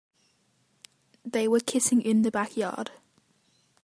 They were kissing in the backyard.